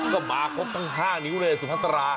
ก็มาครบทั้ง๕นิ้วเลยสุภาษา